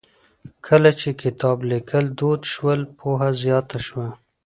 کله چې کتاب ليکل دود شول، پوهه زياته شوه.